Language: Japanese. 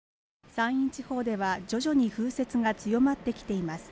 山陰地方では徐々に風雪が強まってきています